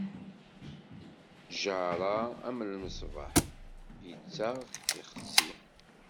Ttjaṛa am lmesbeḥ, ittaɣ, ixetti.